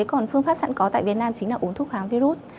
còn phương pháp sẵn có tại việt nam chính là uống thuốc kháng virus